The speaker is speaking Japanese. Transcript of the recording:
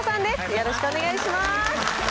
よろしくお願いします。